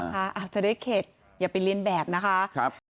อาจจะได้เข็ดอย่าไปเรียนแบบนะคะ